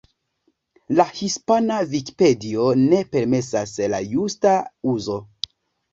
La Hispana Vikipedio ne permesas la justa uzo.